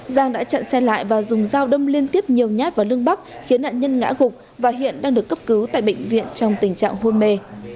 giang đã chặn xe lại và dùng dao đâm liên tiếp nhiều nhát vào lưng bắc khiến nạn nhân ngã gục và hiện đang được cấp cứu tại bệnh viện trong tình trạng hôn mê